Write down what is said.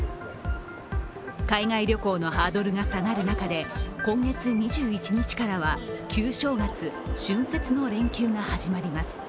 海外旅行のハードルが下がる中で今月２１日からは旧正月・春節の連休が始まります。